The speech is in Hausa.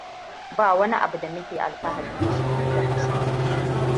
Ba wani abu da muke alfahari da shi ni da Hassan.